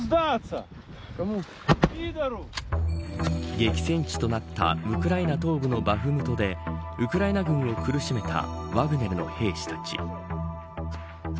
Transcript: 激戦地となったウクライナ東部のバフムトでウクライナ軍を苦しめたワグネルの兵士たち。